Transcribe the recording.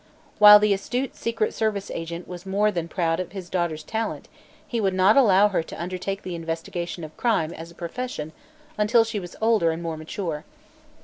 While the astute secret service agent was more than proud of his daughter's talent, he would not allow her to undertake the investigation of crime as a profession until she was older and more mature.